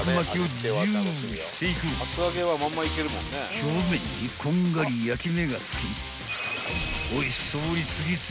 ［表面にこんがり焼き目が付きおいしそうに］